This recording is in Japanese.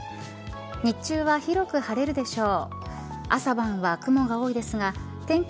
日中は広く晴れるでしょう。